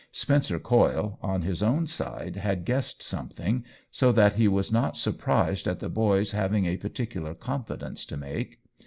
Spencer Coyle on his own side had guessed something, so that he was not surprised at the boy's having a OWEN WINGRAVE 183 particular confidence to make.